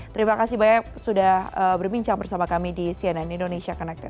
terima kasih banyak sudah berbincang bersama kami di cnn indonesia connected